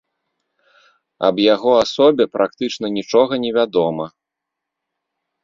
Аб яго асобе практычна нічога не вядома.